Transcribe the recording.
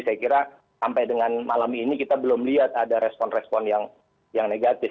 saya kira sampai dengan malam ini kita belum lihat ada respon respon yang negatif